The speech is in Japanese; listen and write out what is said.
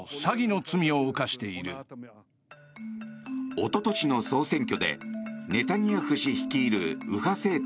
おととしの総選挙でネタニヤフ氏率いる右派政党